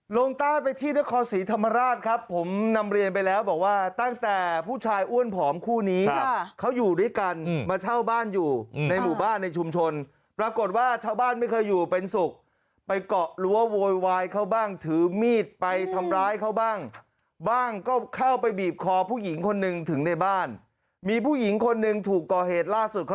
ลงใต้ไปที่นครศรีธรรมราชครับผมนำเรียนไปแล้วบอกว่าตั้งแต่ผู้ชายอ้วนผอมคู่นี้เขาอยู่ด้วยกันมาเช่าบ้านอยู่ในหมู่บ้านในชุมชนปรากฏว่าชาวบ้านไม่เคยอยู่เป็นสุขไปเกาะรั้วโวยวายเขาบ้างถือมีดไปทำร้ายเขาบ้างบ้างก็เข้าไปบีบคอผู้หญิงคนหนึ่งถึงในบ้านมีผู้หญิงคนหนึ่งถูกก่อเหตุล่าสุดเขา